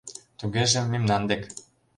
— Тугеже, мемнан дек.